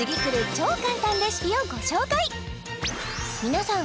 超簡単レシピ」をご紹介皆さん